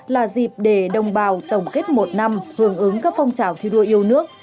là dịp để đồng bào tổng kết một năm hưởng ứng các phong trào thi đua yêu nước